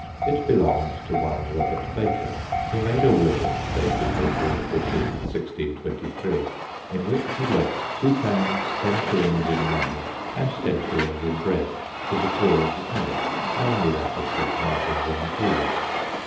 It belonged to one Robert Baker, who made a will, dated April 14, 1623, in which he left two pounds ten shillings in money and ten shillings in bread to the poor of the parish, namely, that of St. Martin's in the Fields.